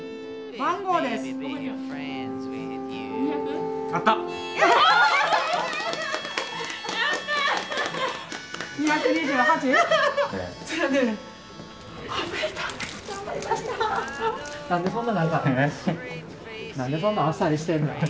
何でそんな何でそんなあっさりしてんのや！